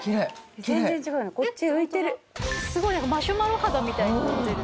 すごいマシュマロ肌みたいになってる。